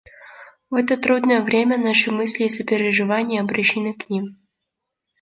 В это трудное время наши мысли и сопереживания обращены к ним.